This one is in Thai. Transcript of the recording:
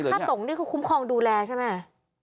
เพราะว่าค่าตุ๋งนี่คงคุ้มครองดูแลใช่ไหม